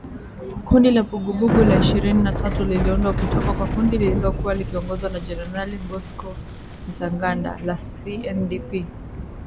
Kundi la Vuguvugu la Ishirini na tatu liliundwa kutoka kwa kundi lililokuwa likiongozwa na Generali Bosco Ntaganda, la CNDP